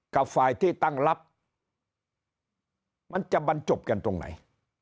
กับฝ่ายที่ตั้งรับมันจะบรรจบกันตรงไหน